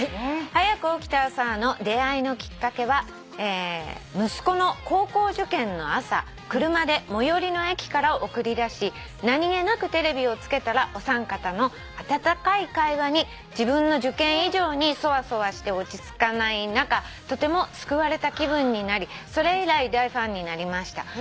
「『はやく起きた朝は』の出合いのきっかけは息子の高校受験の朝車で最寄りの駅から送り出し何気なくテレビをつけたらお三方の温かい会話に自分の受験以上にソワソワして落ち着かない中とても救われた気分になりそれ以来大ファンになりました」